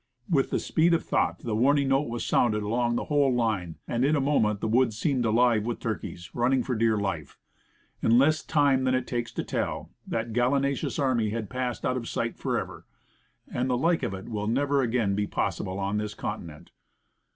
With the speed of thought the warning note was sounded along the whole line, and in a moment the woods seemed alive with turkeys, running for dear life. In less time than it takes to tell it, that galli naceous army had passed out of sight, forever. And the like of it will never again be possible on this continent.